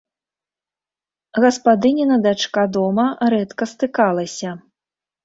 Гаспадыніна дачка дома рэдка стыкалася.